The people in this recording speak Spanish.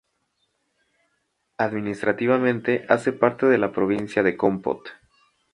Administrativamente hace parte de la Provincia de Kompot.